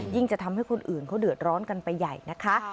จะทำให้คนอื่นเขาเดือดร้อนกันไปใหญ่นะคะ